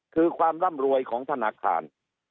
คือความร่ำรวยของธนาคาร